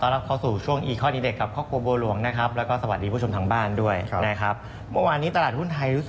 และธุรกิจขายเรือ๕๑๐๐๐บาทรวมกันกว่าล้านบาท